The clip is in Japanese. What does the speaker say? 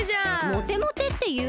モテモテっていう？